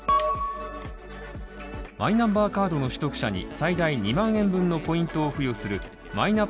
マイナンバーカードの取得者に最大２万円分のポイントを付与するマイナ